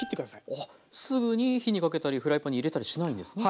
あっすぐに火にかけたりフライパンに入れたりしないんですね。